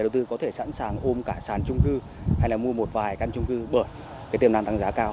tôi đã mua một vài căn trung cư bởi tiềm năng tăng giá cao